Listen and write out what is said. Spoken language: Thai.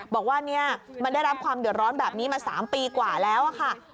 บอกว่าเนี่ยมันได้รับความเดือดร้อนแบบนี้มา๓ปีกว่าแล้วค่ะ